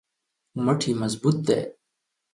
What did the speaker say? مټ یې مضبوط دی.